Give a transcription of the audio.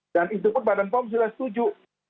dan itu pun badan pom sudah setuju